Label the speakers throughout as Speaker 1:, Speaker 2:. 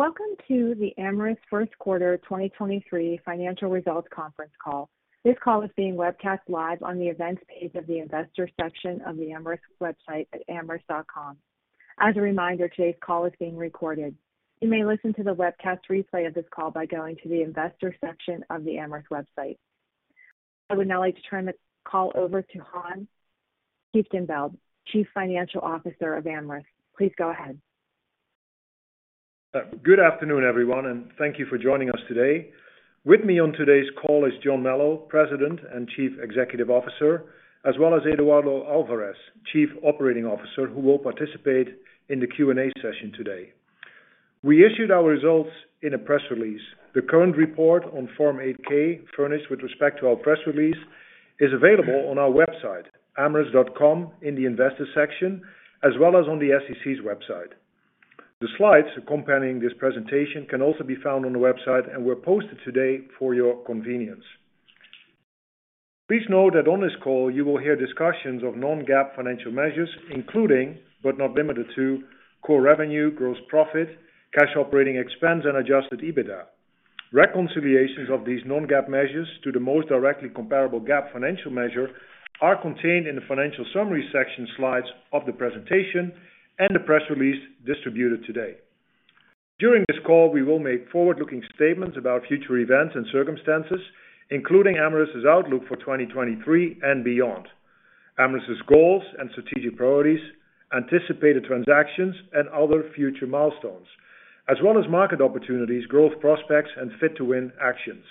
Speaker 1: Welcome to the Amyris 1st quarter 2023 financial results conference call. This call is being webcast live on the Events page of the Investor section of the Amyris website at amyris.com. As a reminder, today's call is being recorded. You may listen to the webcast replay of this call by going to the Investor section of the Amyris website. I would now like to turn the call over to Han Kieftenbeld, Chief Financial Officer of Amyris. Please go ahead.
Speaker 2: Good afternoon, everyone, thank you for joining us today. With me on today's call is John Melo, President and Chief Executive Officer, as well as Eduardo Alvarez, Chief Operating Officer, who will participate in the Q&A session today. We issued our results in a press release. The current report on Form 8-K, furnished with respect to our press release, is available on our website, amyris.com, in the Investor section, as well as on the SEC's website. The slides accompanying this presentation can also be found on the website and were posted today for your convenience. Please note that on this call you will hear discussions of non-GAAP financial measures, including, but not limited to, core revenue, gross profit, cash operating expense, and adjusted EBITDA. Reconciliations of these non-GAAP measures to the most directly comparable GAAP financial measure are contained in the financial summary section slides of the presentation and the press release distributed today. During this call, we will make forward-looking statements about future events and circumstances, including Amyris's outlook for 2023 and beyond. Amyris's goals and strategic priorities, anticipated transactions, and other future milestones, as well as market opportunities, growth prospects, and Fit to Win actions.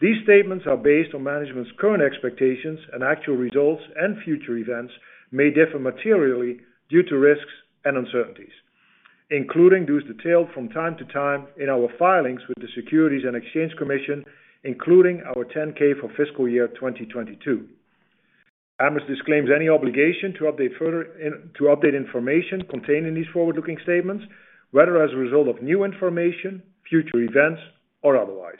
Speaker 2: These statements are based on management's current expectations and actual results, and future events may differ materially due to risks and uncertainties, including those detailed from time to time in our filings with the Securities and Exchange Commission, including our Form 10-K for fiscal year 2022. Amyris disclaims any obligation to update information contained in these forward-looking statements, whether as a result of new information, future events, or otherwise.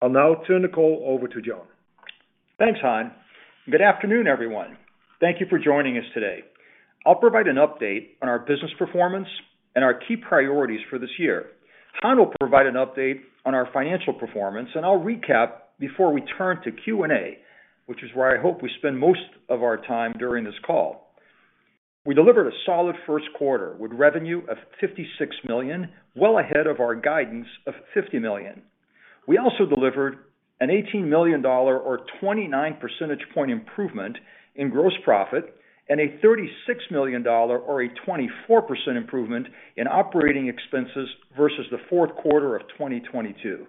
Speaker 2: I'll now turn the call over to John.
Speaker 3: Thanks, Han. Good afternoon, everyone. Thank you for joining us today. I'll provide an update on our business performance and our key priorities for this year. Han will provide an update on our financial performance, and I'll recap before we turn to Q&A, which is where I hope we spend most of our time during this call. We delivered a solid 1st quarter with revenue of $56 million, well ahead of our guidance of $50 million. We also delivered an $18 million or 29 percentage point improvement in gross profit and a $36 million or a 24% improvement in operating expenses versus the 4th quarter of 2022.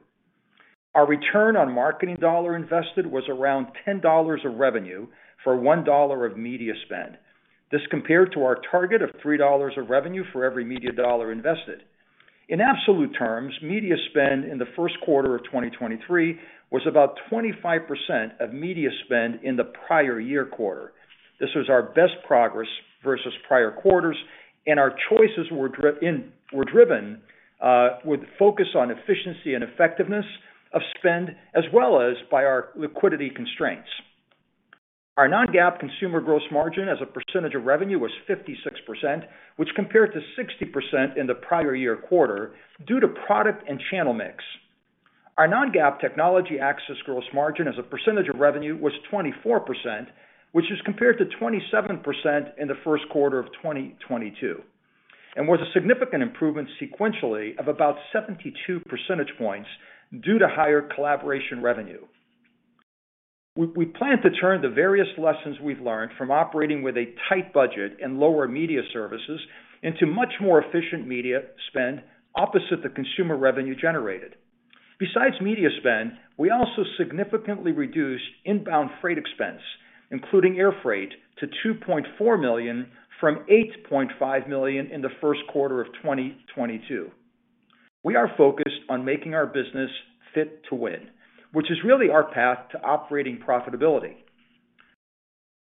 Speaker 3: Our return on marketing dollar invested was around $10 of revenue for $1 of media spend. This compared to our target of $3 of revenue for every media dollar invested. In absolute terms, media spend in the 1st quarter of 2023 was about 25% of media spend in the prior year quarter. This was our best progress versus prior quarters, and our choices were driven with focus on efficiency and effectiveness of spend, as well as by our liquidity constraints. Our non-GAAP consumer gross margin as a percentage of revenue was 56%, which compared to 60% in the prior year quarter due to product and channel mix. Our non-GAAP technology access gross margin as a percentage of revenue was 24%, which is compared to 27% in the 1st quarter of 2022, and was a significant improvement sequentially of about 72 percentage points due to higher collaboration revenue. We plan to turn the various lessons we've learned from operating with a tight budget and lower media services into much more efficient media spend opposite the consumer revenue generated. Besides media spend, we also significantly reduced inbound freight expense, including air freight, to $2.4 million from $8.5 million in the 1st quarter of 2022. We are focused on making our business Fit to Win, which is really our path to operating profitability.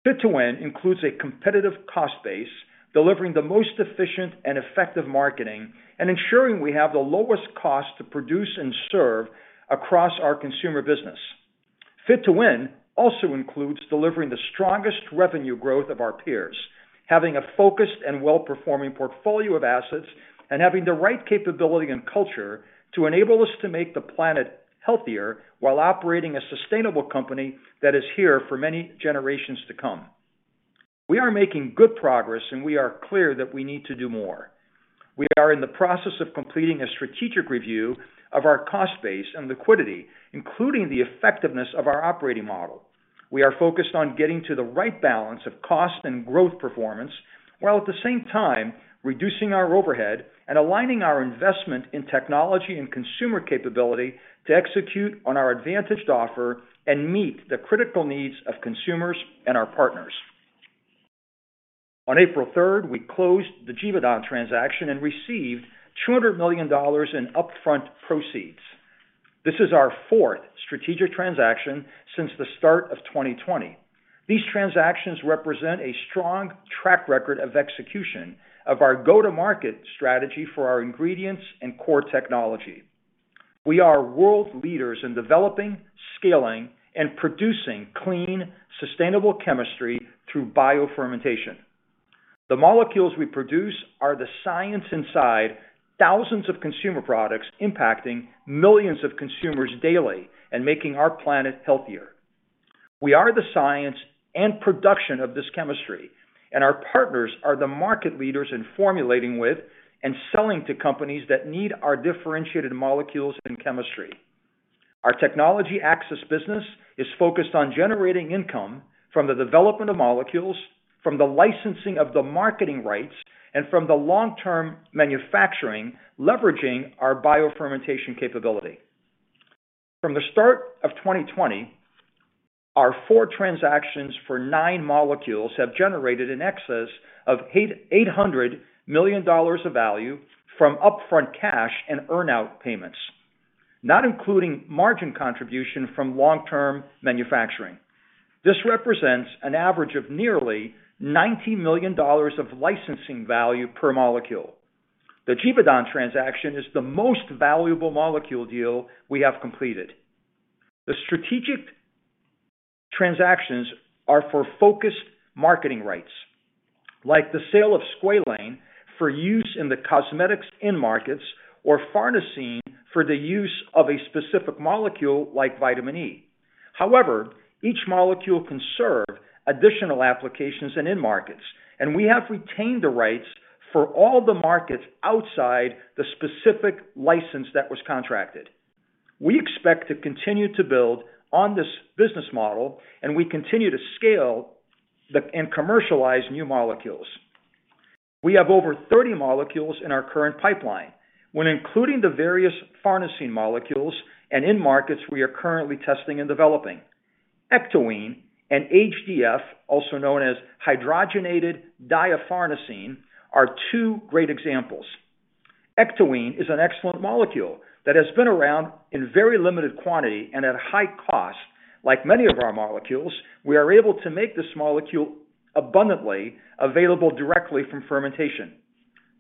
Speaker 3: Fit to Win includes a competitive cost base, delivering the most efficient and effective marketing, and ensuring we have the lowest cost to produce and serve across our consumer business. Fit to Win also includes delivering the strongest revenue growth of our peers, having a focused and well-performing portfolio of assets, and having the right capability and culture to enable us to make the planet healthier while operating a sustainable company that is here for many generations to come. We are making good progress, and we are clear that we need to do more. We are in the process of completing a strategic review of our cost base and liquidity, including the effectiveness of our operating model. We are focused on getting to the right balance of cost and growth performance, while at the same time reducing our overhead and aligning our investment in technology and consumer capability to execute on our advantaged offer and meet the critical needs of consumers and our partners. On April 3, we closed the Givaudan transaction and received $200 million in upfront proceeds. This is our fourth strategic transaction since the start of 2020. These transactions represent a strong track record of execution of our go-to-market strategy for our ingredients and core technology. We are world leaders in developing, scaling, and producing clean, sustainable chemistry through biofermentation. The molecules we produce are the science inside thousands of consumer products impacting millions of consumers daily and making our planet healthier. We are the science and production of this chemistry. Our partners are the market leaders in formulating with and selling to companies that need our differentiated molecules and chemistry. Our technology access business is focused on generating income from the development of molecules, from the licensing of the marketing rights, and from the long-term manufacturing, leveraging our biofermentation capability. From the start of 2020, our four transactions for nine molecules have generated in excess of $800 million of value from upfront cash and earn-out payments, not including margin contribution from long-term manufacturing. This represents an average of nearly $90 million of licensing value per molecule. The Givaudan transaction is the most valuable molecule deal we have completed. The strategic transactions are for focused marketing rights, like the sale of squalane for use in the cosmetics end markets or farnesene for the use of a specific molecule like Vitamin E. Each molecule can serve additional applications and end markets, and we have retained the rights for all the markets outside the specific license that was contracted. We expect to continue to build on this business model, we continue to scale and commercialize new molecules. We have over 30 molecules in our current pipeline when including the various farnesene molecules and end markets we are currently testing and developing. ectoine and HDF, also known as hydrogenated difarnesene, are two great examples. ectoine is an excellent molecule that has been around in very limited quantity and at a high cost. Like many of our molecules, we are able to make this molecule abundantly available directly from fermentation.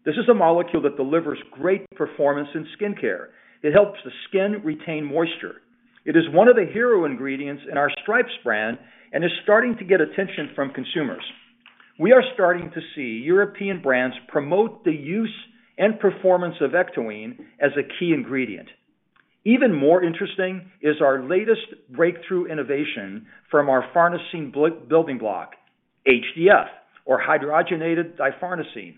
Speaker 3: This is a molecule that delivers great performance in skincare. It helps the skin retain moisture. It is one of the hero ingredients in our Stripes brand and is starting to get attention from consumers. We are starting to see European brands promote the use and performance of ectoine as a key ingredient. Even more interesting is our latest breakthrough innovation from our farnesene building block, HDF, or hydrogenated difarnesene.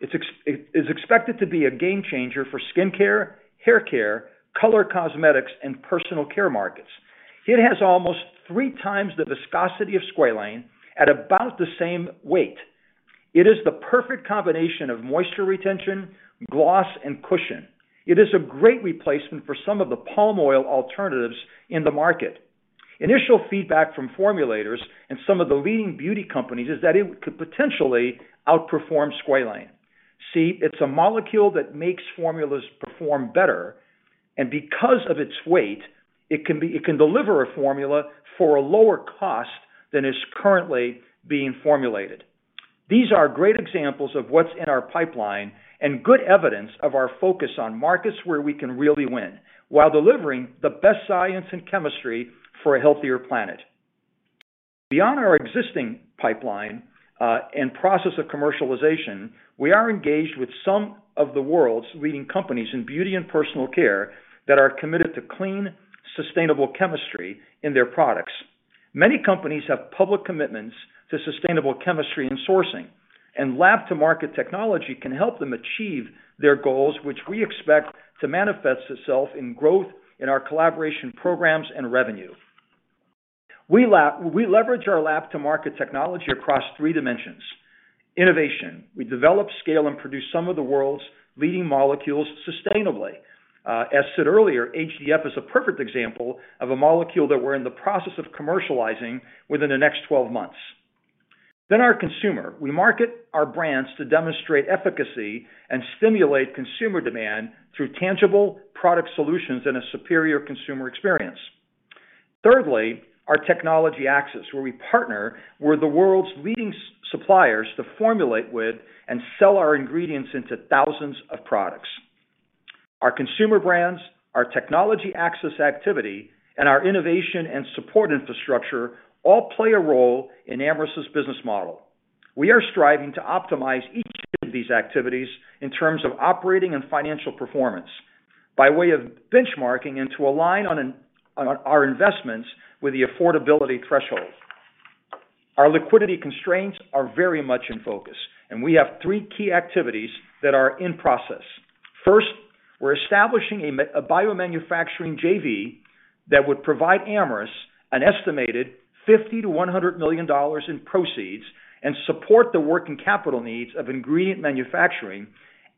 Speaker 3: It's expected to be a game changer for skincare, hair care, color cosmetics, and personal care markets. It has almost three times the viscosity of squalane at about the same weight. It is the perfect combination of moisture retention, gloss, and cushion. It is a great replacement for some of the palm oil alternatives in the market. Initial feedback from formulators and some of the leading beauty companies is that it could potentially outperform squalane. See, it's a molecule that makes formulas perform better, and because of its weight, it can deliver a formula for a lower cost than is currently being formulated. These are great examples of what's in our pipeline and good evidence of our focus on markets where we can really win while delivering the best science and chemistry for a healthier planet. Beyond our existing pipeline, and process of commercialization, we are engaged with some of the world's leading companies in beauty and personal care that are committed to clean, sustainable chemistry in their products. Many companies have public commitments to sustainable chemistry and sourcing, and Lab-to-Market technology can help them achieve their goals, which we expect to manifest itself in growth in our collaboration programs and revenue. We leverage our Lab-to-Market technology across 3 dimensions. Innovation. We develop, scale, and produce some of the world's leading molecules sustainably. As said earlier, HDF is a perfect example of a molecule that we're in the process of commercializing within the next 12 months. Our consumer. We market our brands to demonstrate efficacy and stimulate consumer demand through tangible product solutions and a superior consumer experience. Thirdly, our technology access, where we partner with the world's leading suppliers to formulate with and sell our ingredients into thousands of products. Our consumer brands, our technology access activity, and our innovation and support infrastructure all play a role in Amyris's business model. We are striving to optimize each of these activities in terms of operating and financial performance by way of benchmarking and to align on our investments with the affordability threshold. Our liquidity constraints are very much in focus. We have three key activities that are in process. First, we're establishing a biomanufacturing JV that would provide Amyris an estimated $50 million-$100 million in proceeds and support the working capital needs of ingredient manufacturing,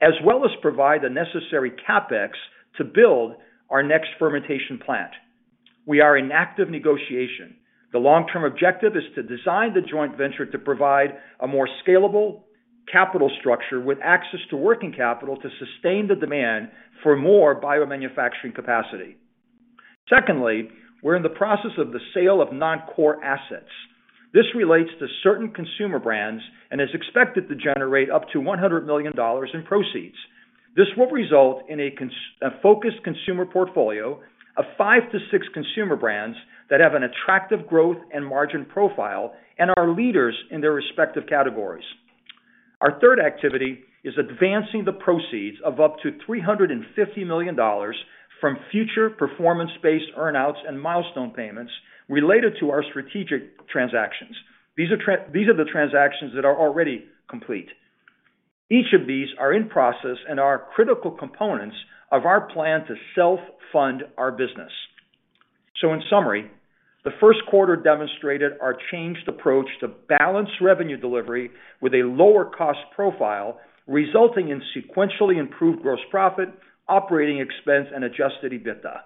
Speaker 3: as well as provide the necessary CapEx to build our next fermentation plant. We are in active negotiation. The long-term objective is to design the joint venture to provide a more scalable capital structure with access to working capital to sustain the demand for more biomanufacturing capacity. Secondly, we're in the process of the sale of non-core assets. This relates to certain consumer brands and is expected to generate up to $100 million in proceeds. This will result in a focused consumer portfolio of five to six consumer brands that have an attractive growth and margin profile and are leaders in their respective categories. Our third activity is advancing the proceeds of up to $350 million from future performance-based earn-outs and milestone payments related to our strategic transactions. These are the transactions that are already complete. Each of these are in process and are critical components of our plan to self-fund our business. In summary, the 1st quarter demonstrated our changed approach to balanced revenue delivery with a lower cost profile, resulting in sequentially improved gross profit, operating expense, and adjusted EBITDA.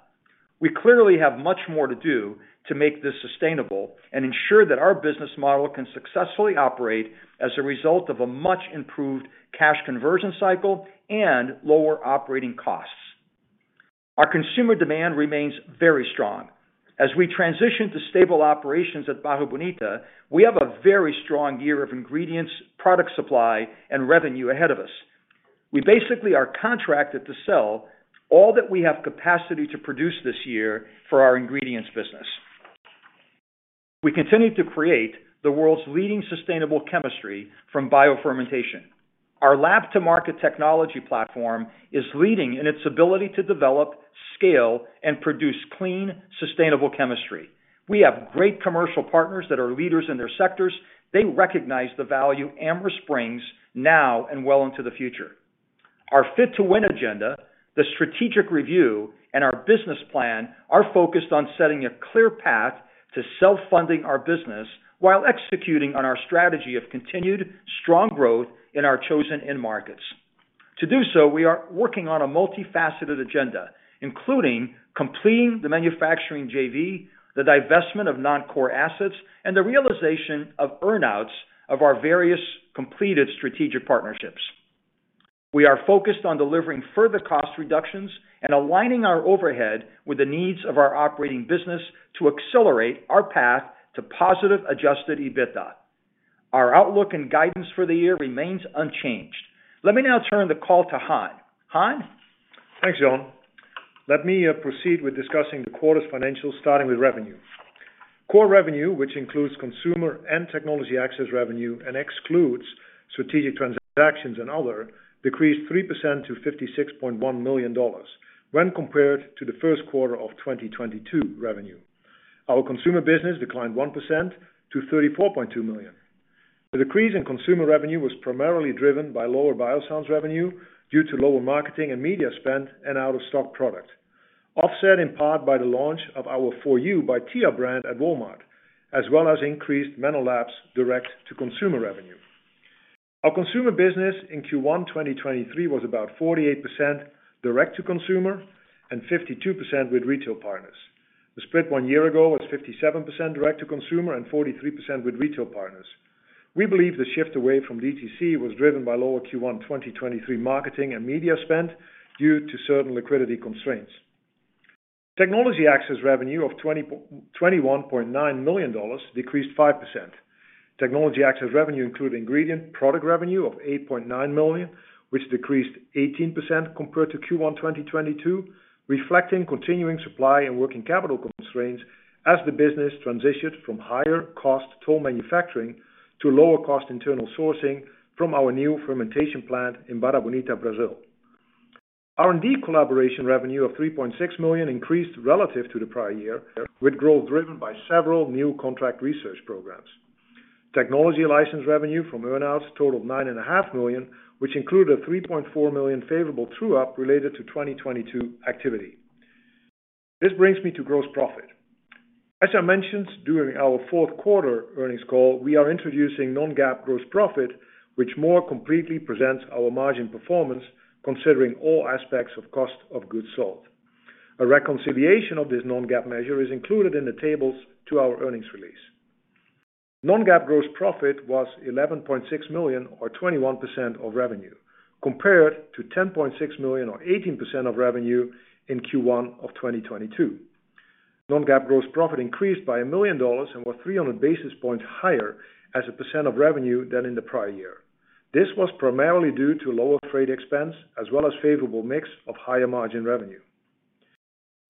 Speaker 3: We clearly have much more to do to make this sustainable and ensure that our business model can successfully operate as a result of a much improved cash conversion cycle and lower operating costs. Our consumer demand remains very strong. As we transition to stable operations at Barra Bonita, we have a very strong year of ingredients, product supply, and revenue ahead of us. We basically are contracted to sell all that we have capacity to produce this year for our ingredients business. We continue to create the world's leading sustainable chemistry from biofermentation. Our Lab-to-Market technology platform is leading in its ability to develop, scale, and produce clean, sustainable chemistry. We have great commercial partners that are leaders in their sectors. They recognize the value Amyris brings now and well into the future. Our Fit to Win agenda, the strategic review, and our business plan are focused on setting a clear path to self-funding our business while executing on our strategy of continued strong growth in our chosen end markets. To do so, we are working on a multifaceted agenda, including completing the manufacturing JV, the divestment of non-core assets, and the realization of earn-outs of our various completed strategic partnerships. We are focused on delivering further cost reductions and aligning our overhead with the needs of our operating business to accelerate our path to positive adjusted EBITDA. Our outlook and guidance for the year remains unchanged. Let me now turn the call to Han.
Speaker 2: Thanks, John. Let me proceed with discussing the quarter's financials, starting with revenue. Core revenue, which includes consumer and technology access revenue and excludes strategic transactions and other, decreased 3% to $56.1 million when compared to the 1st quarter of 2022 revenue. Our consumer business declined 1% to $34.2 million. The decrease in consumer revenue was primarily driven by lower Biossance revenue due to lower marketing and media spend and out-of-stock product, offset in part by the launch of our 4U by Tia brand at Walmart, as well as increased MenoLabs direct to consumer revenue. Our consumer business in Q1 2023 was about 48% direct to consumer and 52% with retail partners. The split one year ago was 57% direct to consumer and 43% with retail partners. We believe the shift away from DTC was driven by lower Q1 2023 marketing and media spend due to certain liquidity constraints. Technology access revenue of $21.9 million decreased 5%. Technology access revenue include ingredient product revenue of $8.9 million, which decreased 18% compared to Q1 2022, reflecting continuing supply and working capital constraints as the business transitioned from higher cost toll manufacturing to lower cost internal sourcing from our new fermentation plant in Barra Bonita, Brazil. R&D collaboration revenue of $3.6 million increased relative to the prior year, with growth driven by several new contract research programs. Technology license revenue from earn-outs totaled nine and a half million, which included a $3.4 million favorable true-up related to 2022 activity. This brings me to gross profit. As I mentioned during our 4th quarter earnings call, we are introducing non-GAAP gross profit, which more completely presents our margin performance considering all aspects of cost of goods sold. A reconciliation of this non-GAAP measure is included in the tables to our earnings release. Non-GAAP gross profit was $11.6 million or 21% of revenue, compared to $10.6 million or 18% of revenue in Q1 of 2022. Non-GAAP gross profit increased by $1 million and was 300 basis points higher as a % of revenue than in the prior year. This was primarily due to lower freight expense as well as favorable mix of higher margin revenue.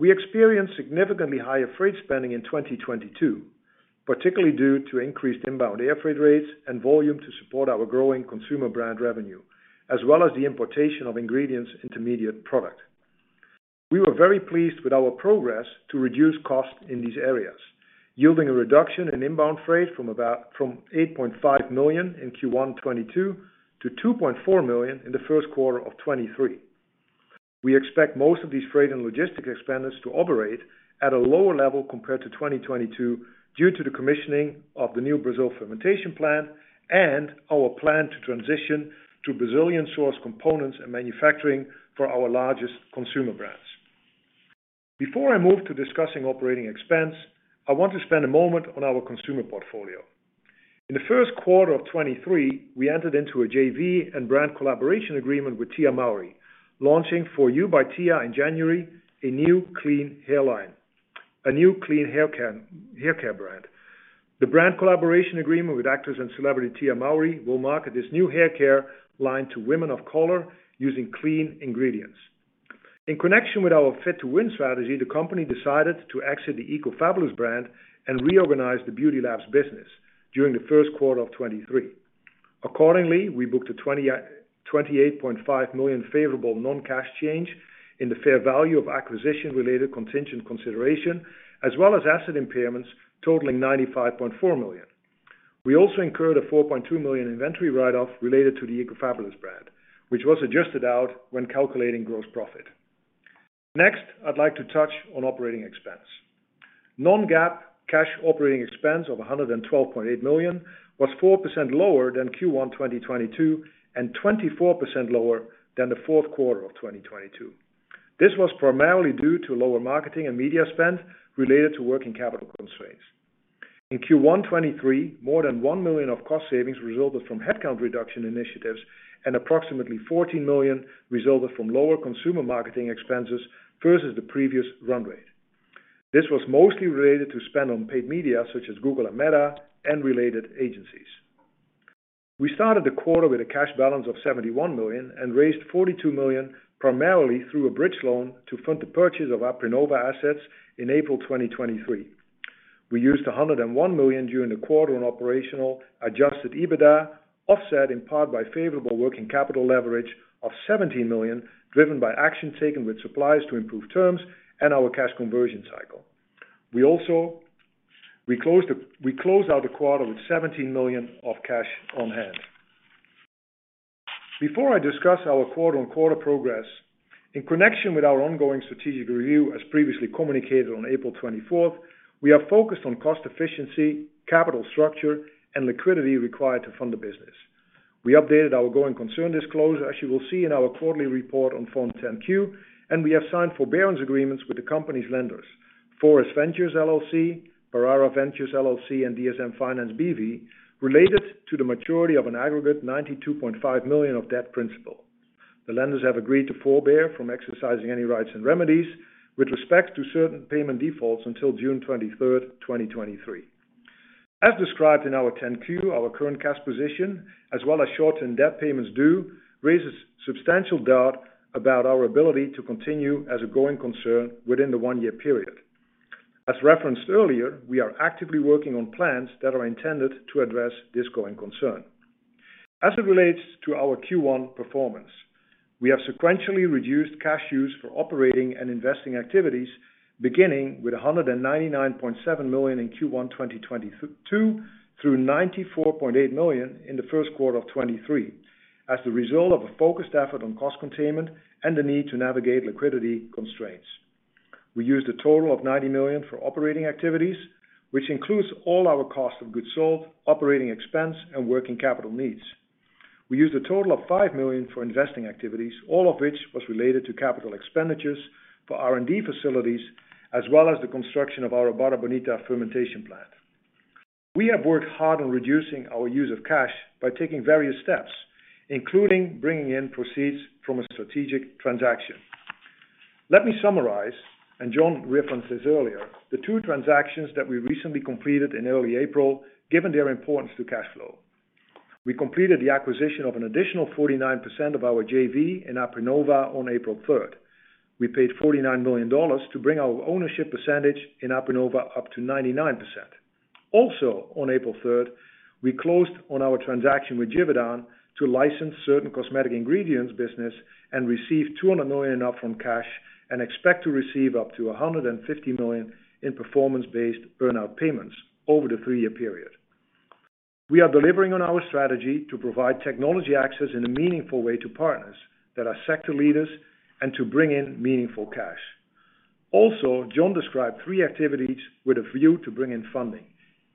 Speaker 2: We experienced significantly higher freight spending in 2022, particularly due to increased inbound airfreight rates and volume to support our growing consumer brand revenue, as well as the importation of ingredients intermediate product. We were very pleased with our progress to reduce costs in these areas, yielding a reduction in inbound freight from $8.5 million in Q1 2022 to $2.4 million in the 1st quarter of 2023. We expect most of these freight and logistics expenditures to operate at a lower level compared to 2022 due to the commissioning of the new Brazil fermentation plant and our plan to transition to Brazilian source components and manufacturing for our largest consumer brands. Before I move to discussing operating expense, I want to spend a moment on our consumer portfolio. In the 1st quarter of 2023, we entered into a JV and brand collaboration agreement with Tia Mowry, launching 4U by Tia in January, a new clean haircare brand. The brand collaboration agreement with actress and celebrity Tia Mowry will market this new haircare line to women of color using clean ingredients. In connection with our Fit to Win strategy, the company decided to exit the EcoFabulous brand and reorganize the Beauty Labs business during the 1st quarter of 2023. Accordingly, we booked a $28.5 million favorable non-cash change in the fair value of acquisition-related contingent consideration, as well as asset impairments totaling $95.4 million. We also incurred a $4.2 million inventory write-off related to the EcoFabulous brand, which was adjusted out when calculating gross profit. I'd like to touch on operating expense. Non-GAAP cash operating expense of $112.8 million was 4% lower than Q1 2022 and 24% lower than the 4th quarter of 2022. This was primarily due to lower marketing and media spend related to working capital constraints. In Q1 2023, more than $1 million of cost savings resulted from headcount reduction initiatives, and approximately $14 million resulted from lower consumer marketing expenses versus the previous run rate. This was mostly related to spend on paid media such as Google and Meta and related agencies. We started the quarter with a cash balance of $71 million and raised $42 million, primarily through a bridge loan to fund the purchase of our Aprinnova assets in April 2023. We used $101 million during the quarter on operational adjusted EBITDA, offset in part by favorable working capital leverage of $17 million, driven by action taken with suppliers to improve terms and our cash conversion cycle. We also closed out the quarter with $17 million of cash on-hand. Before I discuss our quarter-on-quarter progress, in connection with our ongoing strategic review, as previously communicated on April 24th, we are focused on cost efficiency, capital structure, and liquidity required to fund the business. We updated our going concern disclosure, as you will see in our quarterly report on Form 10-Q, and we have signed forbearance agreements with the company's lenders, Foris Ventures, LLC, Perrara Ventures, LLC, and DSM Finance B.V., related to the maturity of an aggregate $92.5 million of debt principal. The lenders have agreed to forbear from exercising any rights and remedies with respect to certain payment defaults until June 23rd, 2023. As described in our 10-Q, our current cash position, as well as short-term debt payments due, raises substantial doubt about our ability to continue as a going concern within the one-year period. As referenced earlier, we are actively working on plans that are intended to address this going concern. As it relates to our Q1 performance, we have sequentially reduced cash use for operating and investing activities, beginning with $199.7 million in Q1 2022 through $94.8 million in the 1st quarter of 2023, as the result of a focused effort on cost containment and the need to navigate liquidity constraints. We used a total of $90 million for operating activities, which includes all our cost of goods sold, operating expense, and working capital needs. We used a total of $5 million for investing activities, all of which was related to capital expenditures for R&D facilities, as well as the construction of our Barra Bonita fermentation plant. We have worked hard on reducing our use of cash by taking various steps, including bringing in proceeds from a strategic transaction. Let me summarize, John referenced this earlier, the two transactions that we recently completed in early April, given their importance to cash flow. We completed the acquisition of an additional 49% of our JV in Aprinnova on April 3rd. We paid $49 million to bring our ownership percentage in Aprinnova up to 99%. Also, on April 3rd, we closed on our transaction with Givaudan to license certain cosmetic ingredients business and received $200 million up from cash and expect to receive up to $150 million in performance-based earn-out payments over the three-year period. We are delivering on our strategy to provide technology access in a meaningful way to partners that are sector leaders and to bring in meaningful cash. Also, John described three activities with a view to bring in funding.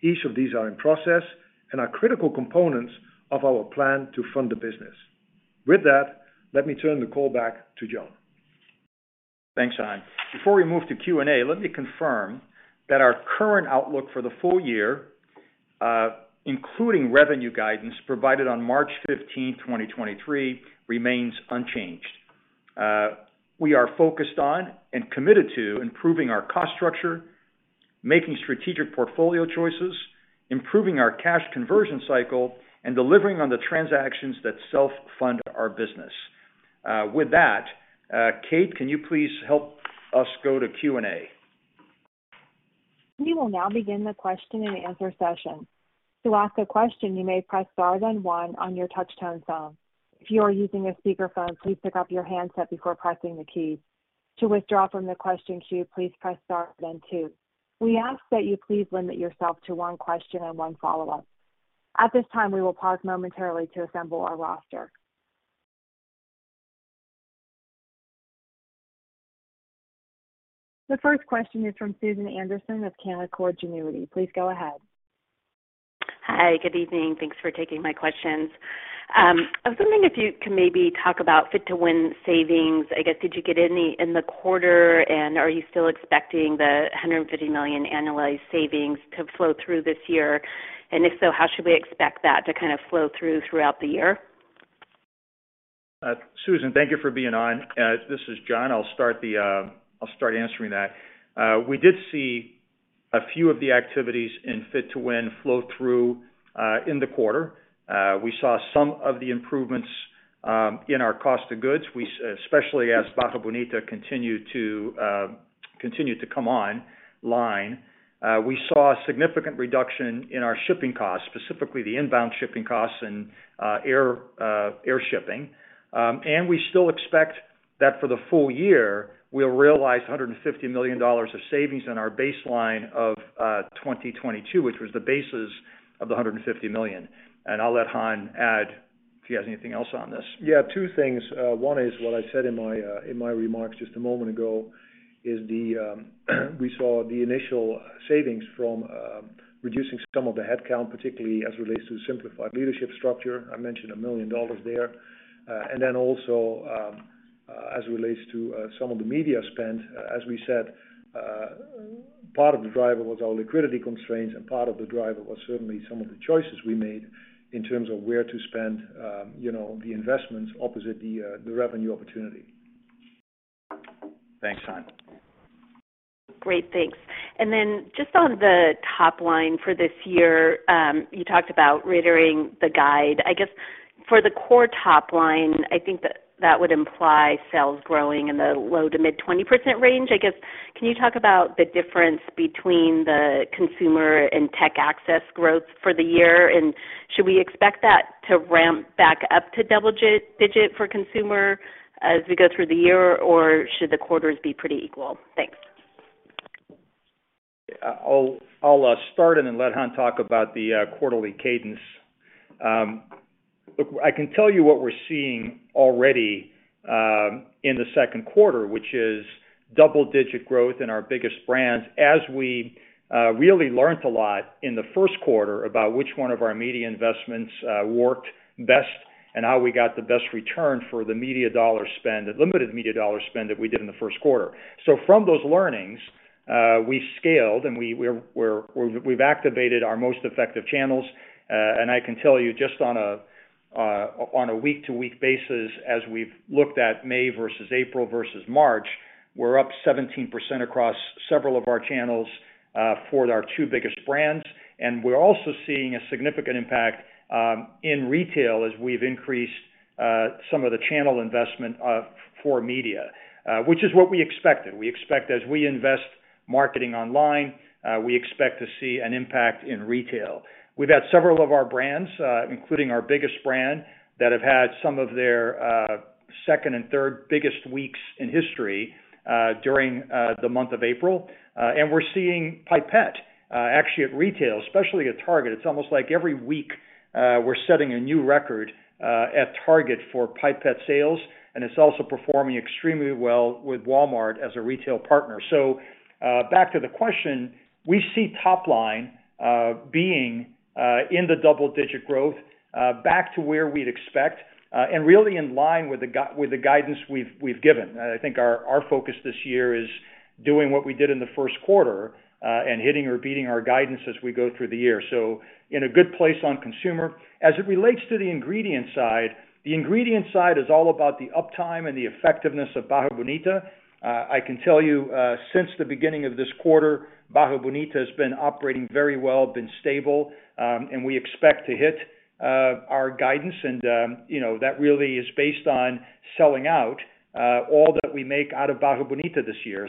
Speaker 2: Each of these are in process and are critical components of our plan to fund the business. With that, let me turn the call back to John.
Speaker 3: Thanks, Han. Before we move to Q&A, let me confirm that our current outlook for the full year, including revenue guidance provided on March 15th, 2023, remains unchanged. We are focused on and committed to improving our cost structure, making strategic portfolio choices, improving our cash conversion cycle, and delivering on the transactions that self-fund our business. With that, Kate, can you please help us go to Q&A?
Speaker 1: We will now begin the question and answer session. To ask a question, you may press star then one on your touchtone phone. If you are using a speaker phone, please pick up your handset before pressing the key. To withdraw from the question queue, please press star then two. We ask that you please limit yourself to one question and one follow-up. At this time, we will pause momentarily to assemble our roster. The first question is from Susan Anderson of Canaccord Genuity. Please go ahead.
Speaker 4: Hi. Good evening. Thanks for taking my questions. I was wondering if you can maybe talk about Fit to Win savings. I guess, did you get any in the quarter? Are you still expecting the $150 million annualized savings to flow through this year? If so, how should we expect that to kind of flow through throughout the year?
Speaker 3: Susan, thank you for being on. This is John. I'll start answering that. We did see a few of the activities in Fit to Win flow through in the quarter. We saw some of the improvements in our cost of goods. We especially as Barra Bonita continued to come on-line. We saw a significant reduction in our shipping costs, specifically the inbound shipping costs and air shipping. We still expect that for the full year, we'll realize $150 million of savings in our baseline of 2022, which was the basis of the $150 million. I'll let Han add if he has anything else on this.
Speaker 2: Yeah, two things. One is what I said in my in my remarks just a moment ago, is the we saw the initial savings from reducing some of the headcount, particularly as it relates to the simplified leadership structure. I mentioned $1 million there. Then also, as it relates to some of the media spend, as we said, part of the driver was our liquidity constraints, and part of the driver was certainly some of the choices we made in terms of where to spend, you know, the investments opposite the revenue opportunity.
Speaker 3: Thanks, Han.
Speaker 4: Great. Thanks. Just on the top line for this year, you talked about reiterating the guide. I guess, for the core top line, I think that that would imply sales growing in the low to mid 20% range. I guess, can you talk about the difference between the consumer and tech access growth for the year? Should we expect that to ramp back up to double-digit for consumer as we go through the year? Or should the quarters be pretty equal? Thanks.
Speaker 3: I'll start in and let Han talk about the quarterly cadence. Look, I can tell you what we're seeing already in the 2nd quarter, which is double-digit growth in our biggest brands as we really learned a lot in the 1st quarter about which one of our media investments worked best and how we got the best return for the media dollar spend, the limited media dollar spend that we did in the 1st quarter. From those learnings, we scaled, and we've activated our most effective channels. And I can tell you just on a week-to-week basis as we've looked at May versus April versus March, we're up 17% across several of our channels for our two biggest brands. We're also seeing a significant impact in retail as we've increased some of the channel investment for media, which is what we expected. We expect as we invest marketing online, we expect to see an impact in retail. We've had several of our brands, including our biggest brand, that have had some of their second and third biggest weeks in history during the month of April. We're seeing Pipette actually at retail, especially at Target. It's almost like every week, we're setting a new record at Target for Pipette sales, and it's also performing extremely well with Walmart as a retail partner. Back to the question, we see top line being in the double-digit growth back to where we'd expect, and really in line with the guidance we've given. I think our focus this year is doing what we did in the 1st quarter and hitting or beating our guidance as we go through the year. In a good place on consumer. As it relates to the ingredient side, the ingredient side is all about the uptime and the effectiveness of Barra Bonita. I can tell you, since the beginning of this quarter, Barra Bonita has been operating very well, been stable, and we expect to hit our guidance and, you know, that really is based on selling out all that we make out of Barra Bonita this year.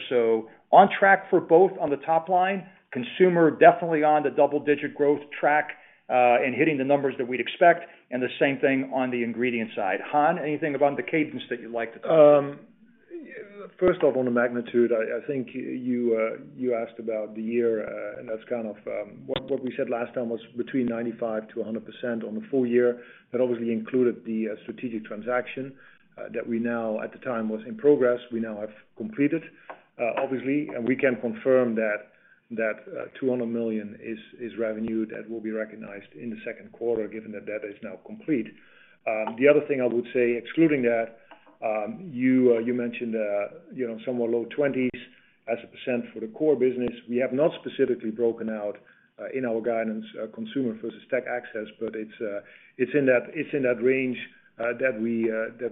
Speaker 3: On track for both on the top line, consumer definitely on the double-digit growth track, and hitting the numbers that we'd expect and the same thing on the ingredient side. Han, anything about the cadence that you'd like to talk about?
Speaker 2: First off, on the magnitude, I think you asked about the year, that's kind of what we said last time was between 95%-100% on the full year. That obviously included the strategic transaction that at the time was in progress. We now have completed, obviously, we can confirm that $200 million is revenue that will be recognized in the 2nd quarter, given that that is now complete. The other thing I would say, excluding that, you mentioned, you know, somewhat low 20s as a percentage for the core business. We have not specifically broken out in our guidance consumer versus tech access, it's in that range that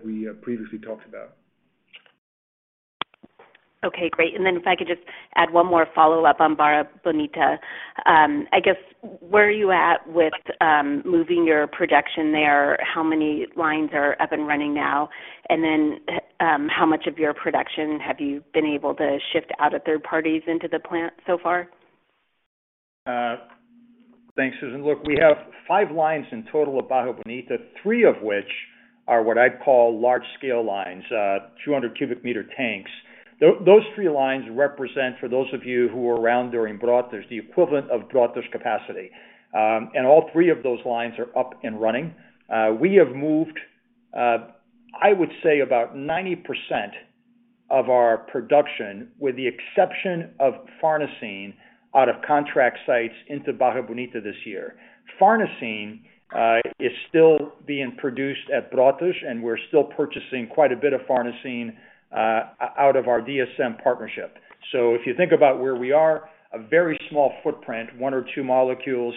Speaker 2: we previously talked about.
Speaker 4: Okay, great. If I could just add one more follow-up on Barra Bonita. I guess, where are you at with moving your production there? How many lines are up and running now? How much of your production have you been able to shift out of third parties into the plant so far?
Speaker 3: Thanks, Susan. Look, we have five lines in total at Barra Bonita. Three of which are what I'd call large scale lines, 200 cubic meter tanks. Those three lines represent, for those of you who were around during Brotas, the equivalent of Brotas capacity. All three of those lines are up and running. We have moved, I would say about 90% of our production, with the exception of farnesene out of contract sites into Barra Bonita this year. Farnesene is still being produced at Brotas, and we're still purchasing quite a bit of farnesene out of our DSM partnership. If you think about where we are, a very small footprint, one or two molecules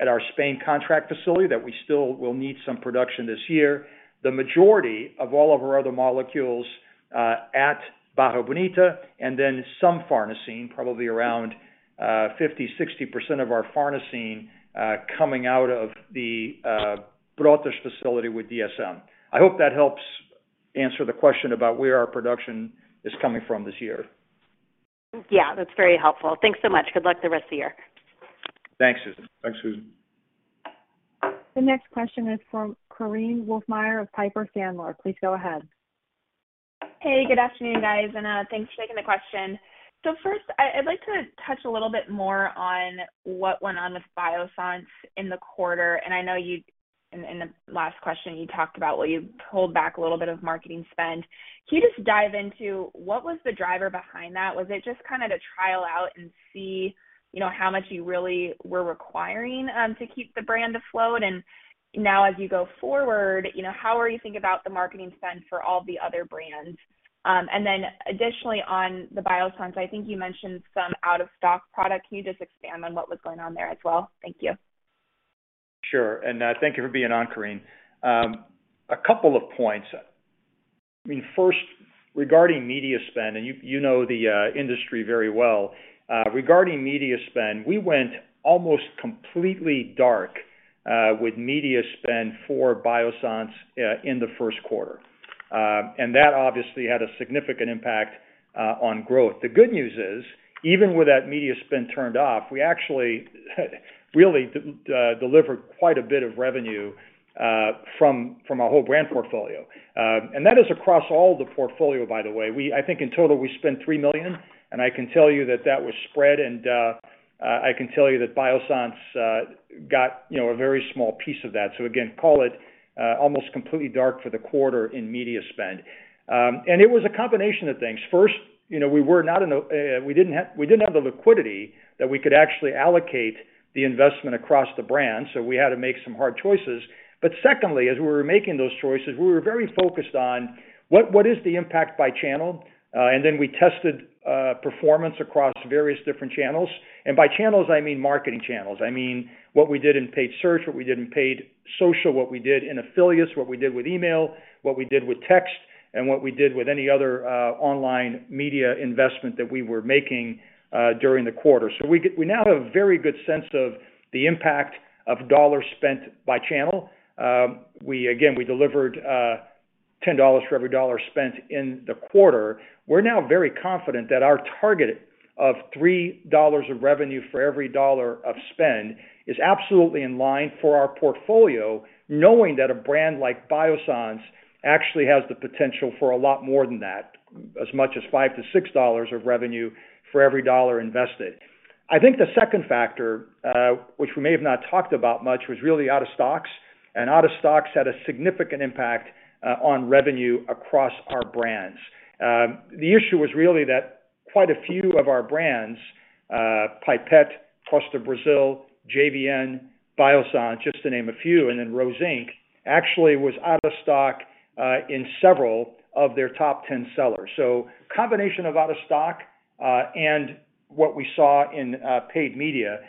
Speaker 3: at our Spain contract facility that we still will need some production this year. The majority of all of our other molecules, at Barra Bonita and then some farnesene, probably around 50%-60% of our farnesene, coming out of the Brotas facility with DSM. I hope that helps answer the question about where our production is coming from this year.
Speaker 4: Yeah, that's very helpful. Thanks so much. Good luck the rest of the year.
Speaker 3: Thanks, Susan.
Speaker 2: Thanks, Susan.
Speaker 1: The next question is from Korinne Wolfmeyer of Piper Sandler. Please go ahead.
Speaker 5: Hey, good afternoon, guys, and thanks for taking the question. First, I'd like to touch a little bit more on what went on with Biossance in the quarter. I know in the last question, you talked about what you pulled back a little bit of marketing spend. Can you just dive into what was the driver behind that? Was it just kind of to trial out and see, you know, how much you really were requiring to keep the brand afloat? Now as you go forward, you know, how are you thinking about the marketing spend for all the other brands? Additionally, on the Biossance, I think you mentioned some out-of-stock product. Can you just expand on what was going on there as well? Thank you.
Speaker 3: Sure. Thank you for being on, Korinne. A couple of points. First, regarding media spend, you know the industry very well. Regarding media spend, we went almost completely dark with media spend for Biossance in the 1st quarter. That obviously had a significant impact on growth. The good news is, even with that media spend turned off, we actually really deliver quite a bit of revenue from our whole brand portfolio. That is across all the portfolio, by the way. I think in total, we spent $3 million, I can tell you that that was spread, I can tell you that Biossance got, you know, a very small piece of that. Again, call it almost completely dark for the quarter in media spend. It was a combination of things. First, you know, we were not in the, we didn't have the liquidity that we could actually allocate the investment across the brand, so we had to make some hard choices. Secondly, as we were making those choices, we were very focused on what is the impact by channel. We tested performance across various different channels. By channels, I mean marketing channels. I mean, what we did in paid search, what we did in paid social, what we did in affiliates, what we did with email, what we did with text, and what we did with any other online media investment that we were making during the quarter. We now have a very good sense of the impact of dollars spent by channel. We delivered $10 for every $1 spent in the quarter. We're now very confident that our target of $3 of revenue for every $1 of spend is absolutely in line for our portfolio, knowing that a brand like Biossance actually has the potential for a lot more than that, as much as $5-$6 of revenue for every $1 invested. I think the second factor, which we may have not talked about much, was really out of stocks. Out of stocks had a significant impact on revenue across our brands. The issue was really that quite a few of our brands, Pipette, Costa Brazil, JVN, Biossance, just to name a few, and then Rose Inc, actually was out of stock in several of their top 10 sellers. Combination of out of stock and what we saw in paid media.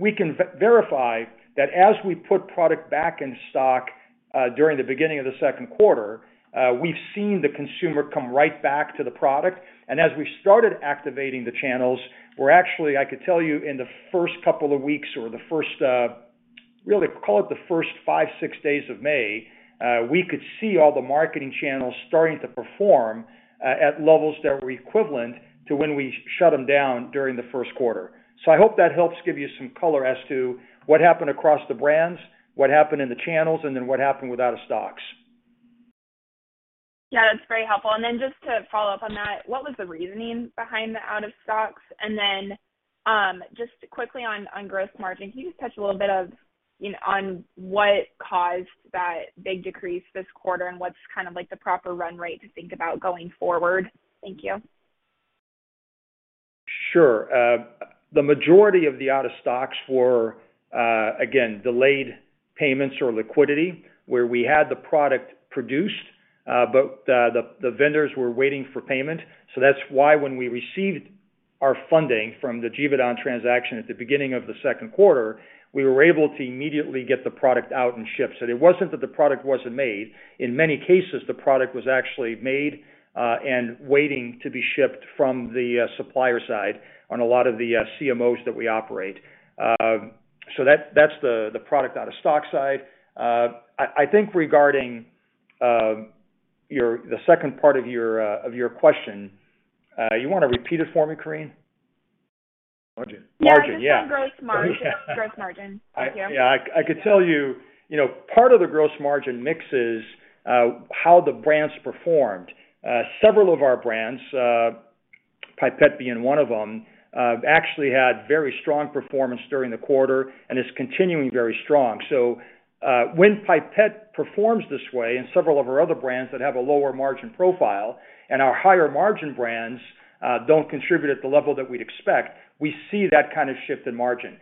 Speaker 3: We can verify that as we put product back in stock during the beginning of the 2nd quarter, we've seen the consumer come right back to the product. As we started activating the channels, we're actually, I could tell you in the first couple of weeks or the first, really call it the first five, six days of May, we could see all the marketing channels starting to perform at levels that were equivalent to when we shut them down during the 1st quarter. I hope that helps give you some color as to what happened across the brands, what happened in the channels, and then what happened with out of stocks.
Speaker 5: Yeah, that's very helpful. Just to follow up on that, what was the reasoning behind the out of stocks? Just quickly on gross margin, can you just touch a little bit of, you know, on what caused that big decrease this quarter and what's kind of like the proper run rate to think about going forward? Thank you.
Speaker 3: Sure. The majority of the out-of-stocks were again, delayed payments or liquidity, where we had the product produced, the vendors were waiting for payment. That's why when we received our funding from the Givaudan transaction at the beginning of the 2nd quarter, we were able to immediately get the product out and shipped. It wasn't that the product wasn't made. In many cases, the product was actually made, and waiting to be shipped from the supplier side on a lot of the CMOs that we operate. That's the product out-of-stock side. I think regarding the second part of your question, you wanna repeat it for me, Korinne? Margin, yeah.
Speaker 5: Yeah, just on growth margin. Thank you.
Speaker 3: Yeah, I could tell you know, part of the gross margin mix is how the brands performed. Several of our brands, Pipette being one of them, actually had very strong performance during the quarter and is continuing very strong. When Pipette performs this way and several of our other brands that have a lower margin profile and our higher margin brands don't contribute at the level that we'd expect, we see that kind of shift in margin.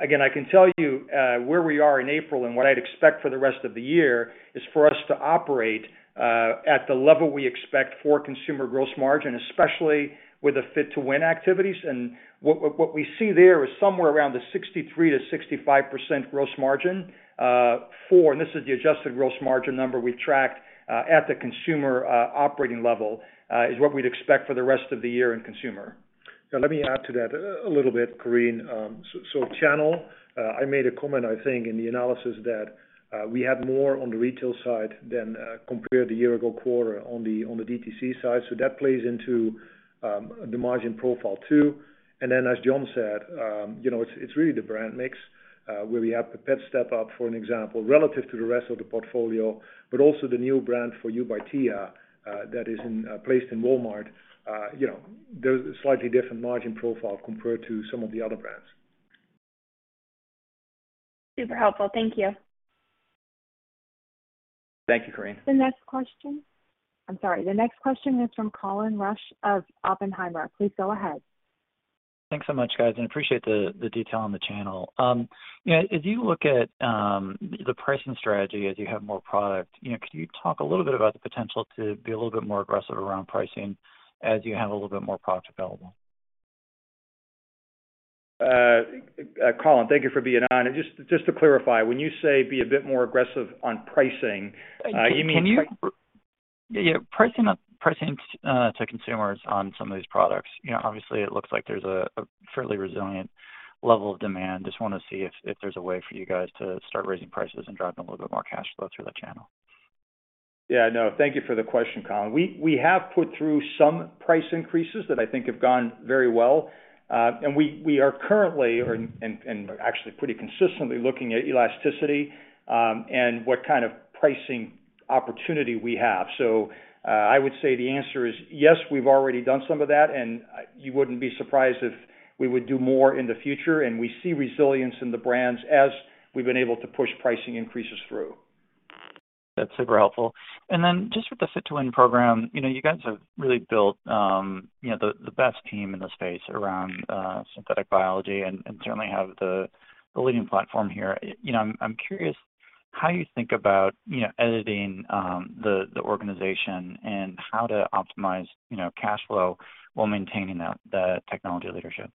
Speaker 3: Again, I can tell you where we are in April and what I'd expect for the rest of the year is for us to operate at the level we expect for consumer gross margin, especially with the Fit to Win activities. What we see there is somewhere around the 63%-65% gross margin, for, and this is the adjusted gross margin number we tracked, at the consumer, operating level, is what we'd expect for the rest of the year in consumer.
Speaker 2: Let me add to that a little bit, Korinne. channel, I made a comment, I think, in the analysis that we had more on the retail side than compared to year ago quarter on the DTC side. That plays into the margin profile too. As John said, you know, it's really the brand mix, where we have Pipette step up, for an example, relative to the rest of the portfolio, but also the new brand 4U by Tia, that is in placed in Walmart. You know, there's a slightly different margin profile compared to some of the other brands.
Speaker 5: Super helpful. Thank you.
Speaker 3: Thank you, Korinne.
Speaker 1: The next question. I'm sorry. The next question is from Colin Rusch of Oppenheimer. Please go ahead.
Speaker 6: Thanks so much, guys. Appreciate the detail on the channel. You know, as you look at, the pricing strategy as you have more product, you know, could you talk a little bit about the potential to be a little bit more aggressive around pricing as you have a little bit more product available?
Speaker 3: Colin, thank you for being on. Just to clarify, when you say be a bit more aggressive on pricing, you mean?
Speaker 6: Yeah. Pricing to consumers on some of these products. You know, obviously it looks like there's a fairly resilient level of demand. Just wanna see if there's a way for you guys to start raising prices and driving a little bit more cash flow through the channel.
Speaker 3: Yeah, no, thank you for the question, Colin. We have put through some price increases that I think have gone very well. We are currently and actually pretty consistently looking at elasticity and what kind of pricing opportunity we have. I would say the answer is yes, we've already done some of that, and you wouldn't be surprised if we would do more in the future. We see resilience in the brands as we've been able to push pricing increases through.
Speaker 6: That's super helpful. Then just with the Fit to Win program, you know, you guys have really built, you know, the best team in the space around synthetic biology and certainly have the leading platform here. You know, I'm curious how you think about, you know, editing the organization and how to optimize, you know, cash flow while maintaining the technology leadership.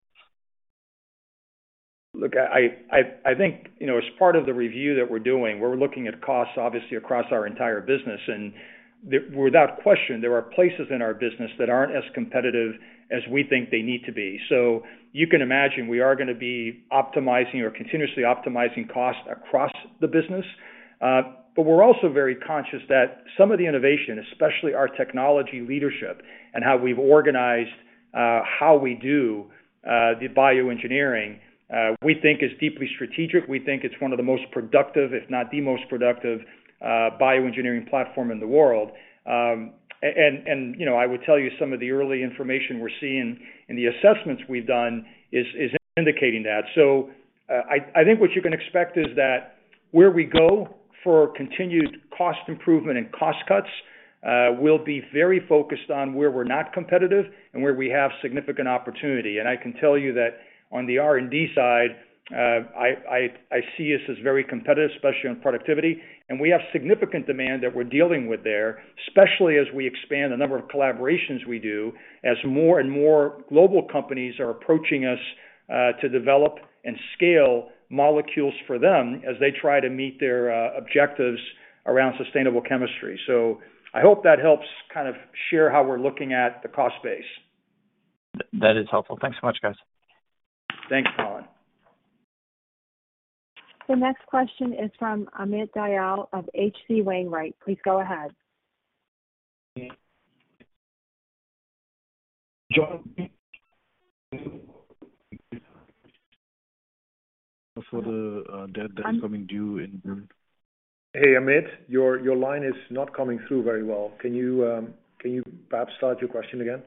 Speaker 3: Look, I think, you know, as part of the review that we're doing, we're looking at costs obviously across our entire business. Without question, there are places in our business that aren't as competitive as we think they need to be. You can imagine we are gonna be optimizing or continuously optimizing costs across the business. We're also very conscious that some of the innovation, especially our technology leadership and how we've organized, how we do the bioengineering, we think is deeply strategic. We think it's one of the most productive, if not the most productive, bioengineering platform in the world. You know, I would tell you some of the early information we're seeing in the assessments we've done is indicating that. I think what you can expect is that where we go for continued cost improvement and cost cuts, will be very focused on where we're not competitive and where we have significant opportunity. I can tell you that on the R&D side, I see us as very competitive, especially on productivity. We have significant demand that we're dealing with there, especially as we expand the number of collaborations we do as more and more global companies are approaching us, to develop and scale molecules for them as they try to meet their objectives around sustainable chemistry. I hope that helps kind of share how we're looking at the cost base.
Speaker 6: That is helpful. Thanks so much, guys.
Speaker 3: Thanks, Colin.
Speaker 1: The next question is from Amit Dayal of H.C. Wainwright. Please go ahead.
Speaker 2: For the, debt that's coming due.
Speaker 3: Hey, Amit, your line is not coming through very well. Can you perhaps start your question again?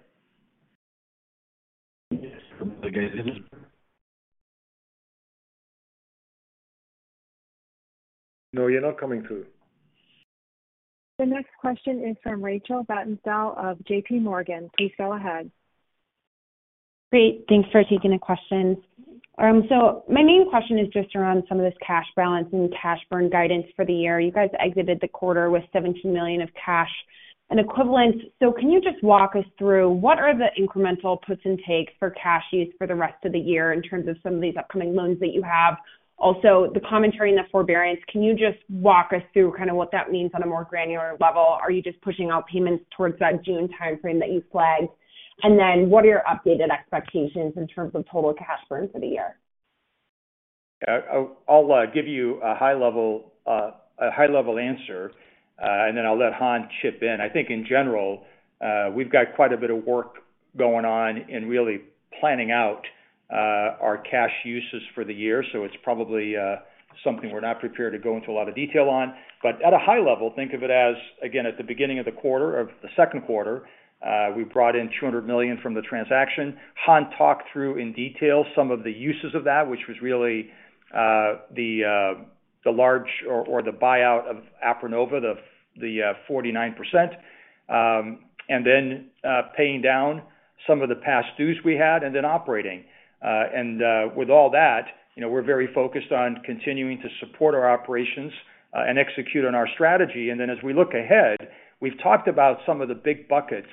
Speaker 3: No, you're not coming through.
Speaker 1: The next question is from Rachel Vatnsdal of JP Morgan. Please go ahead.
Speaker 7: Great. Thanks for taking the question. My main question is just around some of this cash balance and cash burn guidance for the year. You guys exited the quarter with $17 million of cash and equivalent. Can you just walk us through what are the incremental puts and takes for cash use for the rest of the year in terms of some of these upcoming loans that you have? Also, the commentary in the forbearance, can you just walk us through kind of what that means on a more granular level? Are you just pushing out payments towards that June timeframe that you flagged? What are your updated expectations in terms of total cash burn for the year?
Speaker 3: I'll give you a high level, a high level answer, and then I'll let Han chip in. I think in general, we've got quite a bit of work going on in really planning out our cash uses for the year, so it's probably something we're not prepared to go into a lot of detail on. At a high level, think of it as, again, at the beginning of the quarter, of the 2nd quarter, we brought in $200 million from the transaction. Han talked through in detail some of the uses of that, which was really the large or the buyout of Aprinnova, the 49%, and then paying down some of the past dues we had and then operating. With all that, you know, we're very focused on continuing to support our operations and execute on our strategy. As we look ahead, we've talked about some of the big buckets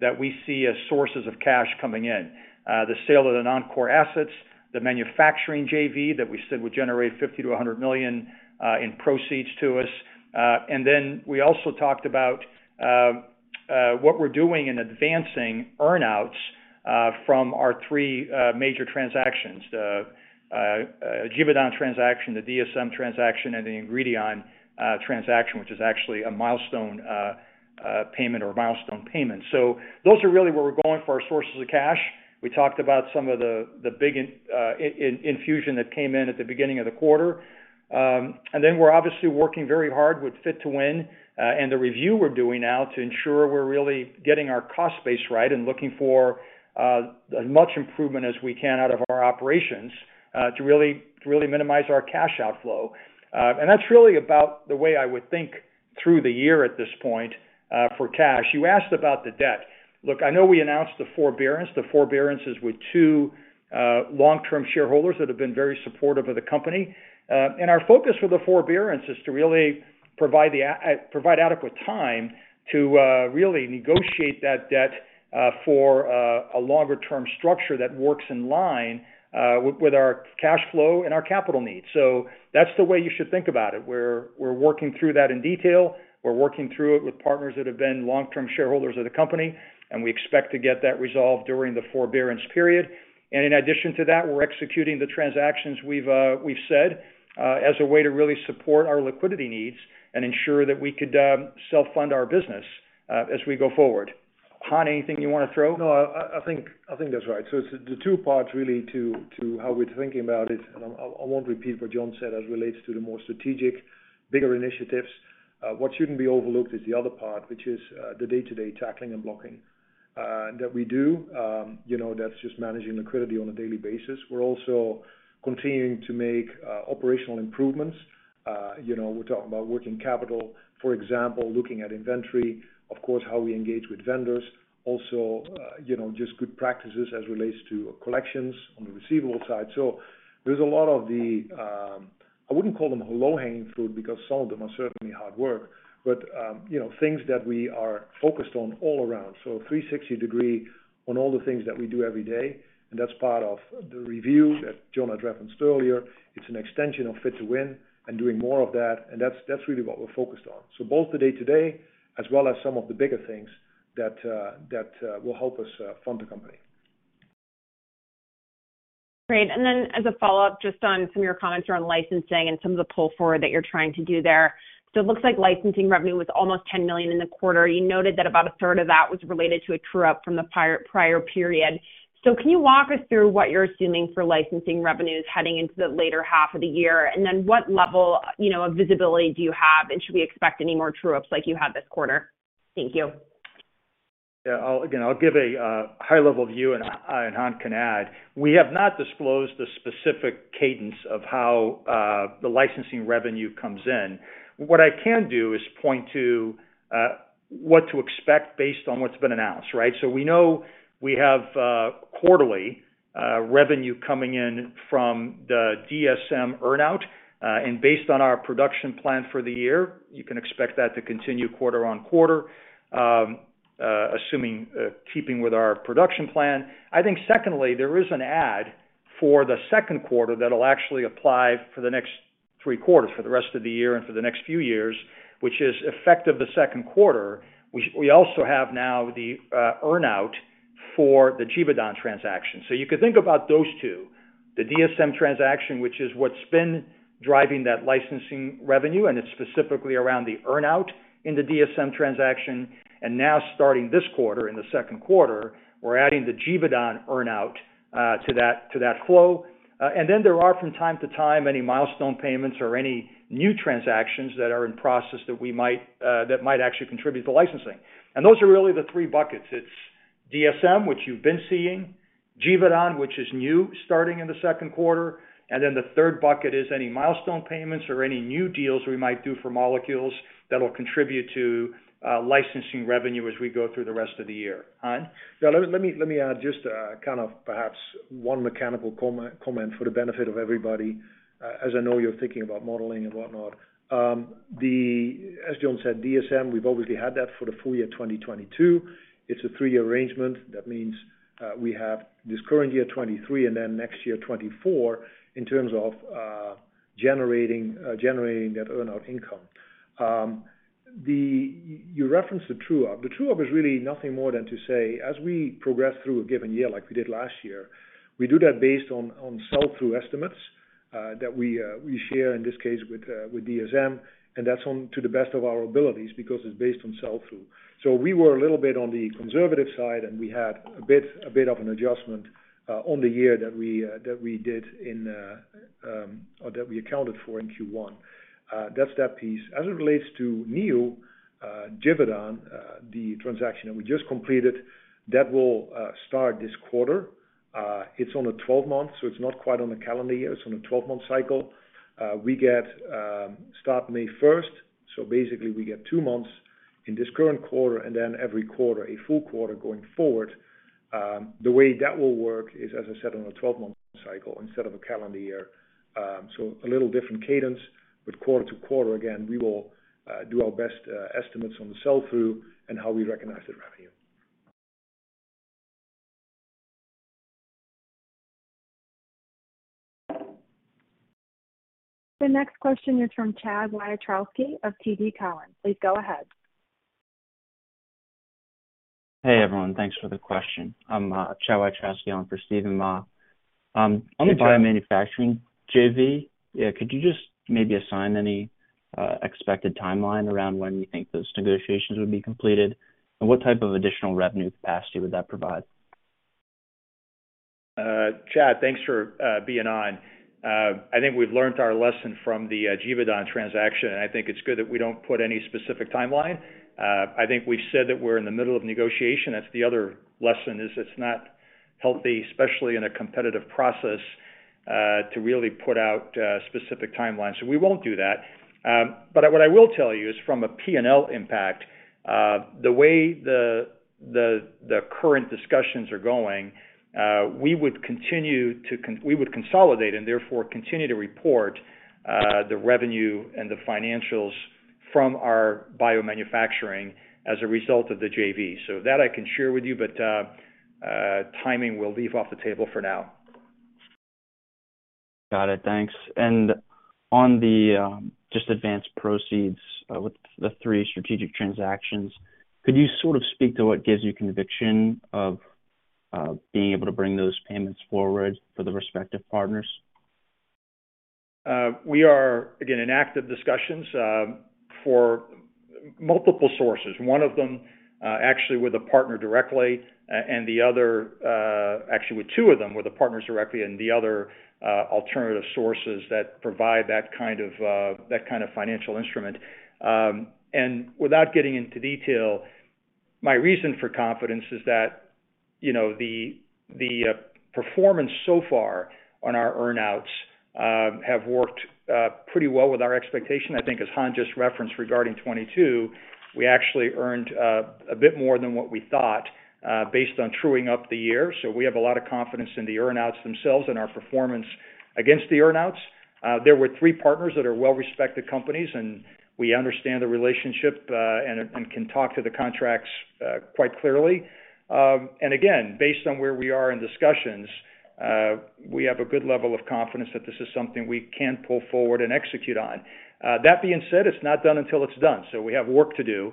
Speaker 3: that we see as sources of cash coming in. The sale of the non-core assets, the manufacturing JV that we said would generate $50 million-$100 million in proceeds to us. We also talked about what we're doing in advancing earn-outs from our three major transactions, the Givaudan transaction, the DSM transaction, and the Ingredion transaction, which is actually a milestone payment. Those are really where we're going for our sources of cash. We talked about some of the big infusion that came in at the beginning of the quarter. We're obviously working very hard with Fit to Win, and the review we're doing now to ensure we're really getting our cost base right and looking for as much improvement as we can out of our operations to really minimize our cash outflow. That's really about the way I would think through the year at this point for cash. You asked about the debt. Look, I know we announced the forbearance. The forbearance is with two long-term shareholders that have been very supportive of the company. Our focus with the forbearance is to really provide adequate time to really negotiate that debt for a longer-term structure that works in line with our cash flow and our capital needs. That's the way you should think about it. We're working through that in detail. We're working through it with partners that have been long-term shareholders of the company. We expect to get that resolved during the forbearance period. In addition to that, we're executing the transactions we've said as a way to really support our liquidity needs and ensure that we could self-fund our business as we go forward. Han, anything you wanna throw?
Speaker 2: I think that's right. It's the two parts really to how we're thinking about it, and I won't repeat what John Melo said as it relates to the more strategic, bigger initiatives. What shouldn't be overlooked is the other part, which is the day-to-day tackling and blocking that we do. You know, that's just managing liquidity on a daily basis. We're also continuing to make operational improvements. You know, we're talking about working capital, for example, looking at inventory, of course, how we engage with vendors. Also, you know, just good practices as it relates to collections on the receivable side. There's a lot of the, I wouldn't call them low-hanging fruit because some of them are certainly hard work, but, you know, things that we are focused on all around. 360 degree on all the things that we do every day, and that's part of the review that John had referenced earlier. It's an extension of Fit to Win and doing more of that, and that's really what we're focused on. Both the day-to-day as well as some of the bigger things that will help us fund the company.
Speaker 7: Great. As a follow-up, just on some of your comments around licensing and some of the pull forward that you're trying to do there. It looks like licensing revenue was almost $10 million in the quarter. You noted that about a third of that was related to a true-up from the prior period. Can you walk us through what you're assuming for licensing revenues heading into the later half of the year? What level, you know, of visibility do you have, and should we expect any more true-ups like you had this quarter? Thank you.
Speaker 3: Yeah. Again, I'll give a high-level view and Han can add. We have not disclosed the specific cadence of how the licensing revenue comes in. What I can do is point to what to expect based on what's been announced, right? So we know we have quarterly revenue coming in from the DSM earn-out and based on our production plan for the year, you can expect that to continue quarter-on-quarter, assuming keeping with our production plan. I think secondly, there is an ad for the 2nd quarter that'll actually apply for the next three quarters, for the rest of the year and for the next few years, which is effective the 2nd quarter. We also have now the earn-out for the Givaudan transaction. You could think about those two, the DSM transaction, which is what's been driving that licensing revenue, and it's specifically around the earn-out in the DSM transaction. Now starting this quarter, in the 2nd quarter, we're adding the Givaudan earn-out to that, to that flow. There are from time to time any milestone payments or any new transactions that are in process that we might that might actually contribute to licensing. Those are really the three buckets. It's DSM, which you've been seeing, Givaudan, which is new starting in the 2nd quarter, and then the third bucket is any milestone payments or any new deals we might do for molecules that'll contribute to licensing revenue as we go through the rest of the year. Han?
Speaker 2: Yeah, let me, let me add just, kind of perhaps one mechanical comment for the benefit of everybody, as I know you're thinking about modeling and whatnot. As John said, DSM, we've obviously had that for the full year 2022. It's a three-year arrangement. That means, we have this current year, 2023, and then next year, 2024, in terms of generating that earn-out income. You referenced the true-up. The true-up is really nothing more than to say, as we progress through a given year like we did last year, we do that based on sell-through estimates. That we share in this case with DSM, that's on to the best of our abilities because it's based on sell-through. We were a little bit on the conservative side, and we had a bit of an adjustment on the year that we did in the, or that we accounted for in Q1. That's that piece. As it relates to Givaudan, the transaction that we just completed, that will start this quarter. It's on a 12-month, so it's not quite on a calendar year, it's on a 12-month cycle. We get start May 1st, so basically we get two months in this current quarter and then every quarter, a full quarter going forward. The way that will work is, as I said, on a 12-month cycle instead of a calendar year. A little different cadence with quarter to quarter. We will do our best estimates on the sell-through and how we recognize the revenue.
Speaker 1: The next question is from Chad Wiatrowski of TD Cowen. Please go ahead.
Speaker 8: Hey, everyone. Thanks for the question. I'm Chad Wiatrowski on for Steven Mah. On the biomanufacturing JV, yeah, could you just maybe assign any expected timeline around when you think those negotiations would be completed? What type of additional revenue capacity would that provide?
Speaker 3: Chad, thanks for being on. I think we've learnt our lesson from the Givaudan transaction, and I think it's good that we don't put any specific timeline. I think we've said that we're in the middle of negotiation. That's the other lesson, is it's not healthy, especially in a competitive process, to really put out specific timelines. We won't do that. What I will tell you is from a P&L impact, the way the current discussions are going, we would consolidate and therefore continue to report the revenue and the financials from our biomanufacturing as a result of the JV. That I can share with you, but timing we'll leave off the table for now.
Speaker 8: Got it. Thanks. On the just advanced proceeds, with the three strategic transactions, could you sort of speak to what gives you conviction of being able to bring those payments forward for the respective partners?
Speaker 3: We are, again, in active discussions for multiple sources. One of them, actually with a partner directly and the other, actually with two of them, with the partners directly and the other alternative sources that provide that kind of financial instrument. Without getting into detail, my reason for confidence is that, you know, the performance so far on our earn-outs have worked pretty well with our expectation. I think as Han just referenced regarding 22, we actually earned a bit more than what we thought based on trueing up the year. We have a lot of confidence in the earn-outs themselves and our performance against the earn-outs. There were three partners that are well-respected companies, and we understand the relationship and can talk to the contracts quite clearly. Again, based on where we are in discussions, we have a good level of confidence that this is something we can pull forward and execute on. That being said, it's not done until it's done. We have work to do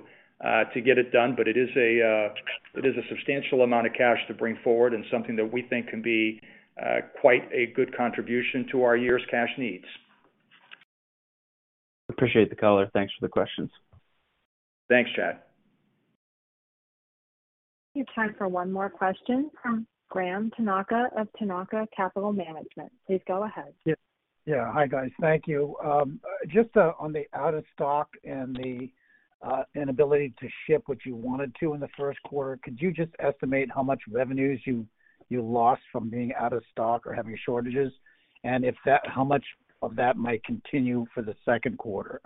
Speaker 3: to get it done, but it is a substantial amount of cash to bring forward and something that we think can be quite a good contribution to our year's cash needs.
Speaker 8: Appreciate the color. Thanks for the questions.
Speaker 3: Thanks, Chad.
Speaker 1: We have time for one more question from Graham Tanaka of Tanaka Capital Management. Please go ahead.
Speaker 9: Yeah. Yeah. Hi, guys. Thank you. Just on the out of stock and the inability to ship what you wanted to in the 1st quarter, could you just estimate how much revenues you lost from being out of stock or having shortages? If that, how much of that might continue for the 2nd quarter?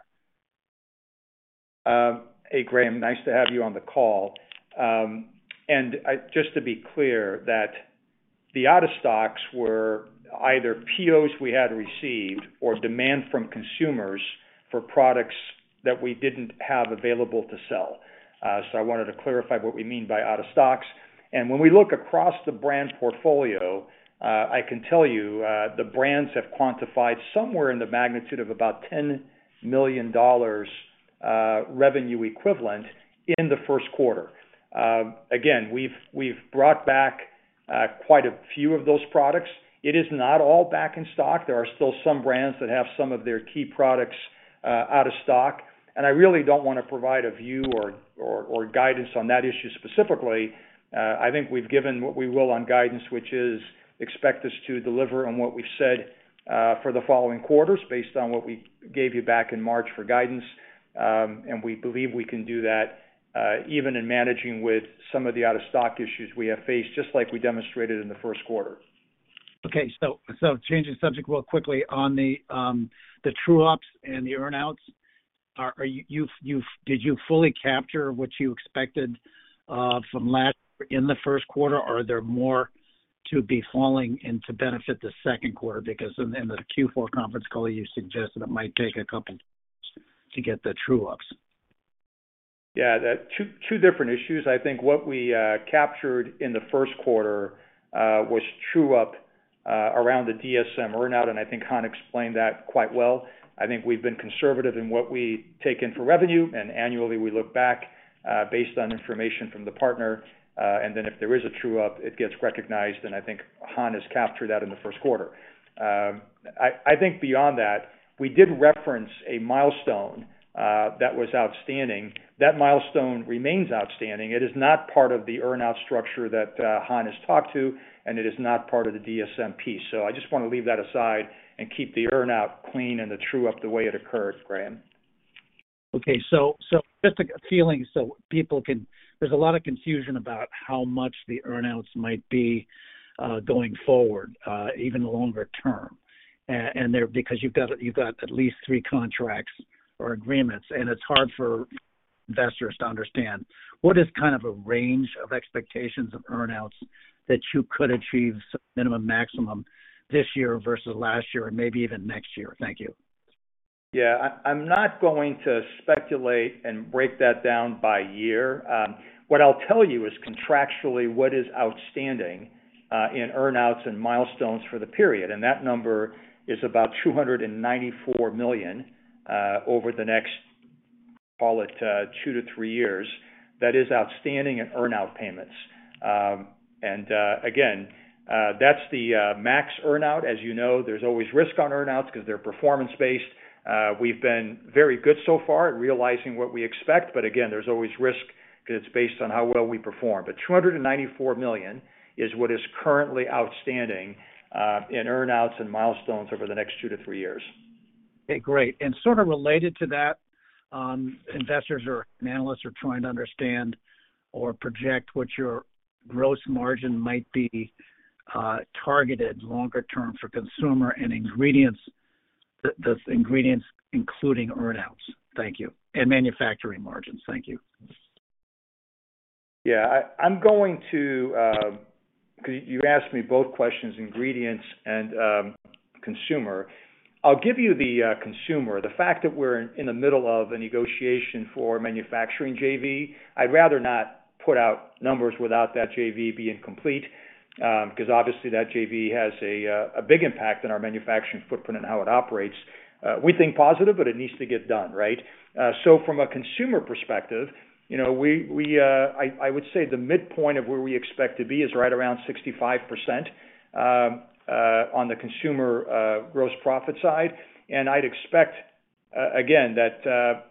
Speaker 3: Hey, Graham, nice to have you on the call. Just to be clear that the out of stocks were either POs we had received or demand from consumers for products that we didn't have available to sell. I wanted to clarify what we mean by out of stocks. When we look across the brand portfolio, I can tell you, the brands have quantified somewhere in the magnitude of about $10 million revenue equivalent in the 1st quarter. Again, we've brought back quite a few of those products. It is not all back in stock. There are still some brands that have some of their key products, out of stock. I really don't wanna provide a view or guidance on that issue specifically. I think we've given what we will on guidance, which is expect us to deliver on what we've said, for the following quarters based on what we gave you back in March for guidance. We believe we can do that, even in managing with some of the out-of-stock issues we have faced, just like we demonstrated in the 1st quarter.
Speaker 9: Changing subject real quickly. On the true-ups and the earn-outs, did you fully capture what you expected from last in the 1st quarter? Are there more to be falling in to benefit the 2nd quarter? In the Q4 conference call, you suggested it might take a couple to get the true-ups.
Speaker 3: Yeah, that two different issues. I think what we captured in the 1st quarter was true-up around the DSM earn-out. I think Han explained that quite well. I think we've been conservative in what we take in for revenue. Annually, we look back based on information from the partner. If there is a true-up, it gets recognized. I think Han has captured that in the 1st quarter. I think beyond that, we did reference a milestone that was outstanding. That milestone remains outstanding. It is not part of the earn-out structure that Han has talked to. It is not part of the DSM piece. I just wanna leave that aside and keep the earn-out clean and the true-up the way it occurred, Graham.
Speaker 9: Okay. Just a feeling so people can... There's a lot of confusion about how much the earn-outs might be going forward, even longer term, because you've got at least three contracts or agreements, and it's hard for investors to understand. What is kind of a range of expectations of earn-outs that you could achieve minimum, maximum this year versus last year and maybe even next year? Thank you.
Speaker 3: Yeah. I'm not going to speculate and break that down by year. What I'll tell you is contractually what is outstanding in earn-outs and milestones for the period, and that number is about $294 million over the next, call it, two to three years. That is outstanding in earn-out payments. Again, that's the max earn-out. As you know, there's always risk on earn-outs 'cause they're performance-based. We've been very good so far at realizing what we expect, but again, there's always risk 'cause it's based on how well we perform. $294 million is what is currently outstanding in earn-outs and milestones over the next two to three years.
Speaker 9: Okay, great. Sort of related to that, investors or analysts are trying to understand or project what your gross margin might be, targeted longer term for consumer and ingredients, the ingredients including earn-outs. Thank you. Manufacturing margins. Thank you.
Speaker 3: Yeah. I'm going to. You asked me both questions, ingredients and consumer. I'll give you the consumer. The fact that we're in the middle of a negotiation for manufacturing JV, I'd rather not put out numbers without that JV being complete, 'cause obviously that JV has a big impact in our manufacturing footprint and how it operates. We think positive, but it needs to get done, right? From a consumer perspective, you know, we, I would say the midpoint of where we expect to be is right around 65% on the consumer gross profit side. I'd expect again that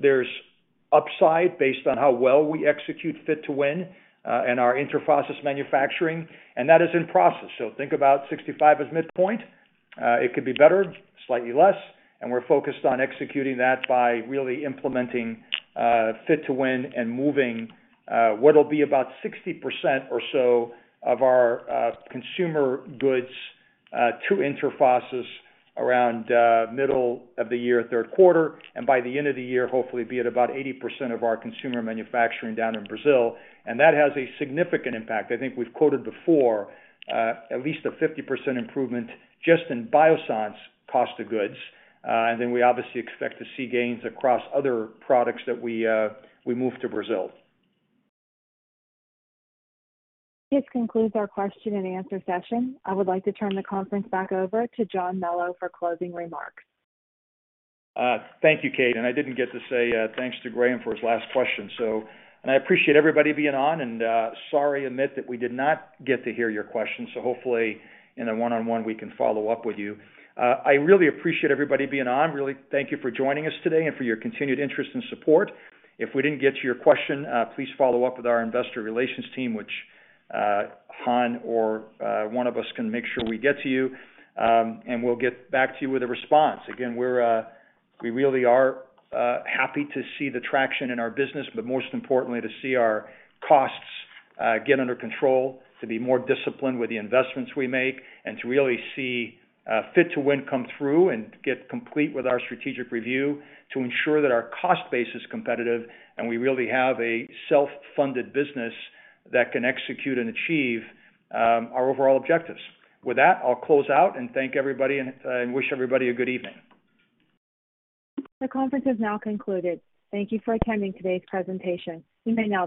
Speaker 3: there's upside based on how well we execute Fit to Win and our Interphos manufacturing, and that is in process. Think about 65 as midpoint. It could be better, slightly less, and we're focused on executing that by really implementing Fit to Win and moving what'll be about 60% or so of our consumer goods to Interphos around middle of the year, 3rd quarter. By the end of the year, hopefully be at about 80% of our consumer manufacturing down in Brazil. That has a significant impact. I think we've quoted before, at least a 50% improvement just in Biossance cost of goods. Then we obviously expect to see gains across other products that we move to Brazil.
Speaker 1: This concludes our question and answer session. I would like to turn the conference back over to John Melo for closing remarks.
Speaker 3: Thank you, Kate. I didn't get to say, thanks to Graham for his last question. I appreciate everybody being on, and, sorry, Amit, that we did not get to hear your question. Hopefully in a one-on-one we can follow up with you. I really appreciate everybody being on. Really thank you for joining us today and for your continued interest and support. If we didn't get to your question, please follow up with our investor relations team, which, Han or, one of us can make sure we get to you, we'll get back to you with a response. Again, we're, we really are happy to see the traction in our business, but most importantly, to see our costs get under control, to be more disciplined with the investments we make, and to really see Fit to Win come through and get complete with our strategic review to ensure that our cost base is competitive and we really have a self-funded business that can execute and achieve our overall objectives. With that, I'll close out and thank everybody and wish everybody a good evening.
Speaker 1: The conference has now concluded. Thank you for attending today's presentation. You may now disconnect.